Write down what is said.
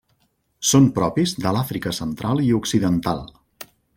Són propis de l'Àfrica central i occidental.